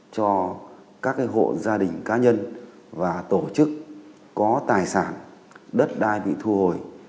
cho các hộ gia đình cá nhân và tổ chức có tài sản đất đai bị thu hồi